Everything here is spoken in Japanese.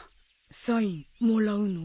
サインもらうの？